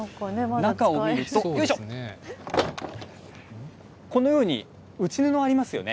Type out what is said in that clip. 中を見ると、よいしょ、このように内布ありますよね。